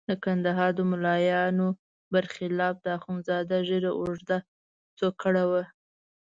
د کندهار د ملایانو برخلاف د اخندزاده ږیره اوږده څوکړه وه.